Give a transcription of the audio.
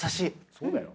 そうだよ。